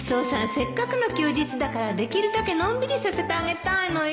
せっかくの休日だからできるだけのんびりさせてあげたいのよ